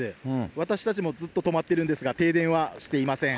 私たちもずっととまってるんですが、停電はしていません。